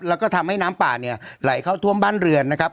แล้วก็ทำให้น้ำป่าเนี่ยไหลเข้าท่วมบ้านเรือนนะครับ